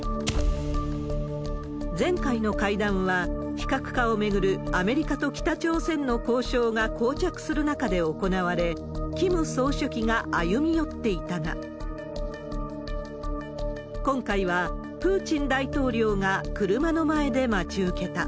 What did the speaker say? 前回の会談は、非核化を巡るアメリカと北朝鮮の交渉がこう着する中で行われ、キム総書記が歩み寄っていたが、今回は、プーチン大統領が車の前で待ち受けた。